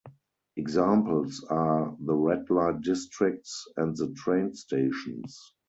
Examples are the red-light districts and the train stations.